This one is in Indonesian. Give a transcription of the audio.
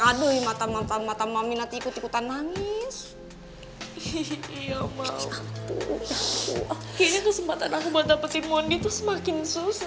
kayaknya kesempatan aku buat dapetin mondi tuh semakin susah